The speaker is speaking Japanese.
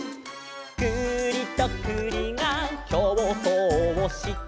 「くりとくりがきょうそうをして」